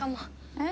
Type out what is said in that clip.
えっ？